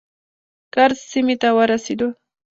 کرز سیمې ته ورسېدو.